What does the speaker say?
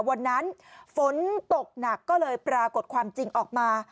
วันนั้นฝนตกหนักก็เลยปรากฏความจริงออกมา